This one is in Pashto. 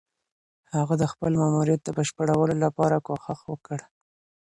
هغه د خپل ماموريت د بشپړولو لپاره کوښښ وکړ.